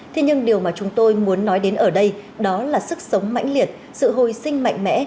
thế nhưng điều mà chúng tôi muốn nói đến ở đây đó là sức sống mãnh liệt sự hồi sinh mạnh mẽ